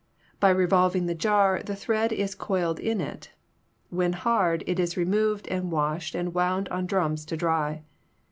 By re volving the jar, the thread is coiled in it. When hard, it is removed and washed and wound on drums to dry.